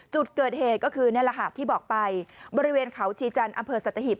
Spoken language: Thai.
จุดเกิดเหตุก็คือนี่แหละค่ะที่บอกไปบริเวณเขาชีจันทร์อำเภอสัตหิบ